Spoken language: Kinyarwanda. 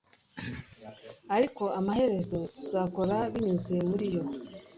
Ariko amaherezo tuzakora binyuze muriyo